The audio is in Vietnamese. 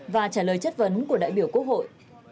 và trả lời chất vấn của đại biểu quốc hội